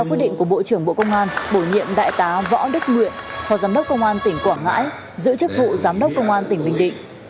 trước đó đồng chí thứ trưởng võ đức nguyện phó giám đốc công an tỉnh quảng ngãi giữ chức vụ giám đốc công an tỉnh bình định